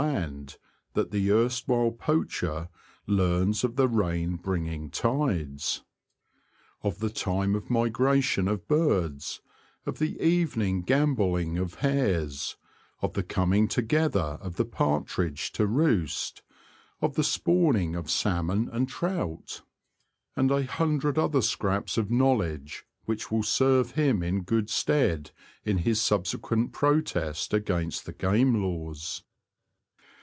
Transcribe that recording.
land that the erstwhile poacher learns of the rain bringing tides ^ of the time of migration of birds; of the evening gambol ing of hares ; of the coming to gether of the partridge to roost ; of the spawning of salmon and trout ; and a hun dred other scraps 1 8 The Confessions of a T^oacher, of knowledge which will serve him in good stead in his subsequent protest against the Game Laws.